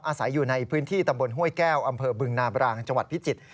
อาศัยอยู่ในพื้นที่ตำบลห้วยแก้วอำเภอบึงนาบรางจังหวัดพิจิตร